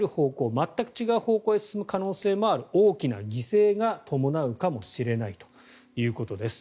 全く違う方向へ進む可能性がある大きな犠牲が伴うかもしれないということです。